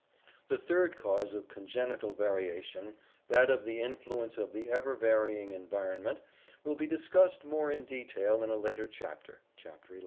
The third cause of congenital variation, that of the influence of the ever varying environment, will be discussed more in detail in 140 ORGANIC EVOLUTION a later chapter (Chapter XI).